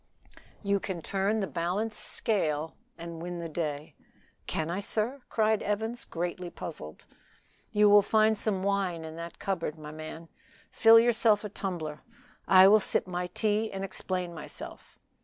"You can turn the balanced scale and win the day!" "Can I, sir?" cried Evans, greatly puzzled. "You will find some wine in that cupboard, my man; fill yourself a tumbler. I will sip my tea, and explain myself.